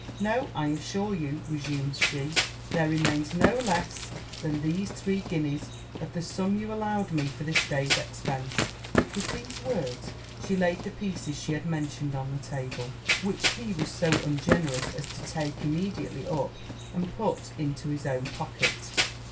'No, I assure you,' resumed she; 'there remains no less than these three guineas of the sum you allowed me for this day's expence.' With these words, she laid the pieces she had mentioned on the table, which he was so ungenerous as to take immediately up and put it into his own pocket.